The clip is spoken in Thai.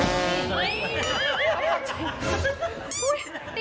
ปลาหัวไป